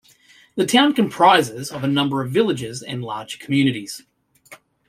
The town comprises a number of villages and larger communities.